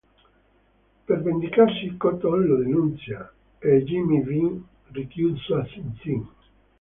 Per vendicarsi, Cotton lo denuncia, e Jimmy vien rinchiuso a Sing Sing.